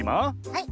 はい。